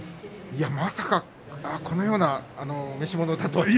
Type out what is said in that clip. まさかこのようなお召し物だとは。